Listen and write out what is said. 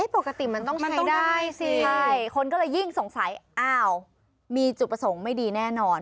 ปกติมันต้องใช้ได้สิใช่คนก็เลยยิ่งสงสัยอ้าวมีจุดประสงค์ไม่ดีแน่นอน